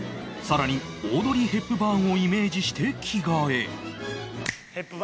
さらにオードリー・ヘプバーンをイメージして着替え